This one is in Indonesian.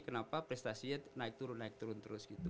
kenapa prestasinya naik turun naik turun terus gitu